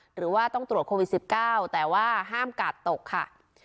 หรือว่าต้องตรวจโควิด๑๙แต่ว่าห้ามกาดตกค่ะ